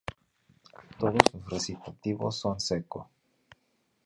Todos los recitativos son "secco".